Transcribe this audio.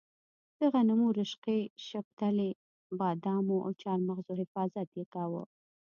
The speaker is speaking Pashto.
د غنمو، رشقې، شپتلې، بادامو او چارمغزو حفاظت یې کاوه.